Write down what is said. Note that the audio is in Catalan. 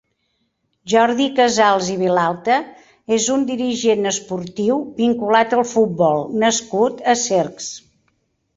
Jordi Casals i Vilalta és un dirigent esportiu vinculat al futbol nascut a Cercs.